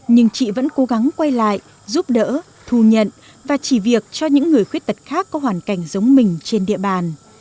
nhưng chị vẫn cố gắng quay lại giúp đỡ thu nhận và chỉ việc cho những người khuyết tật khác có hoàn cảnh giống mình trên địa bàn